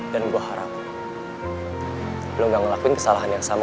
dan gue harap lo gak ngelakuin kesalahan yang sama